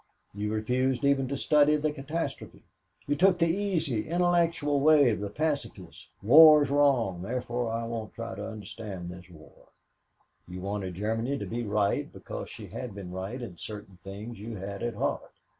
You refused even to study the catastrophe. You took the easy, intellectual way of the pacifist war is wrong, therefore I won't try to understand this war. "You've wanted Germany to be right because she had been right in certain things you had at heart.